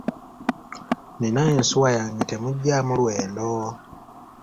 Nina ensuwa yange temugyamu lwendo.